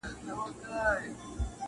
لا په غاړه د لوټونو امېلونه -